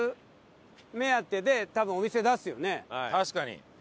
確かに。